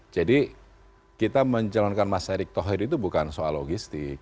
jadi kita menjalankan mas erik thohir itu bukan soal logistik